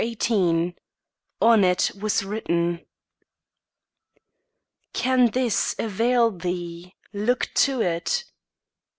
XVIII ON IT WAS WRITTEN Can this avail thee? Look to it!